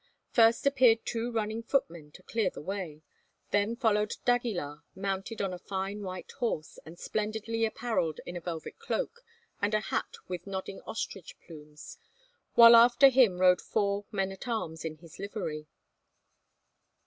First appeared two running footmen to clear the way; then followed D'Aguilar, mounted on a fine white horse, and splendidly apparelled in a velvet cloak and a hat with nodding ostrich plumes, while after him rode four men at arms in his livery.